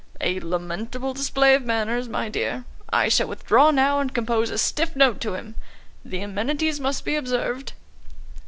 "A lamentable display of manners, my dear. I shall withdraw now and compose a stiff note to him. The amenities must be observed."